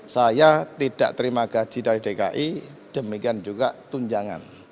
saya tidak terima gaji dari dki demikian juga tunjangan